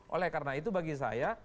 oleh karena itu bagi saya